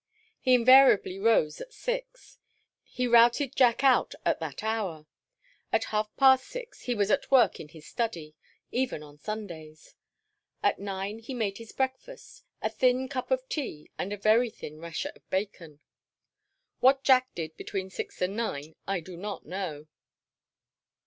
He invariably rose at six. He routed Jack out at that hour. At half past six he was at work in his study, even on Sundays. At nine he made his breakfast, a thin cup of tea and a very thin rasher of bacon. What Jack did between six and nine, I do not know.